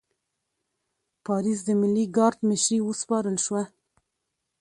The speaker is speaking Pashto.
پاریس د ملي ګارډ مشري وسپارل شوه.